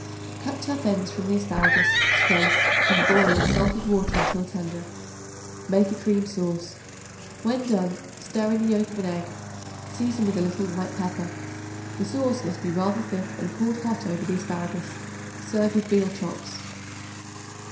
Cut tough ends from the asparagus; scrape and boil in salted water until tender. Make a cream sauce. When done, stir in the yolk of an egg; season with a little white pepper. The sauce must be rather thick and poured hot over the asparagus. Serve with veal chops.